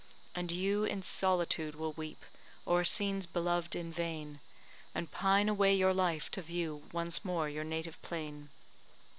And you in solitude will weep O'er scenes beloved in vain, And pine away your life to view Once more your native plain.